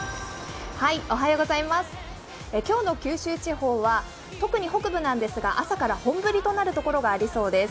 今日の九州地方は特に北部なんですが、朝から本降りとなるところがありそうです。